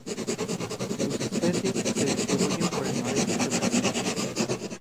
Sus especies se distribuyen por el noreste de Brasil.